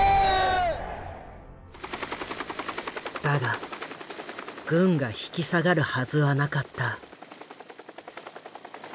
だが軍が引き下がるはずはなかった。